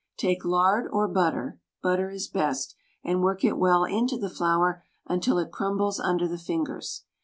Take lard or butter (butter is best) and work it well into the flour until it crumbles under the fingers.